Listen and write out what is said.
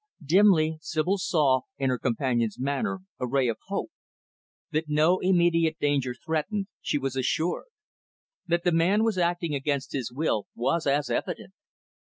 Dimly, Sibyl saw, in her companion's manner, a ray of hope. That no immediate danger threatened, she was assured. That the man was acting against his will, was as evident.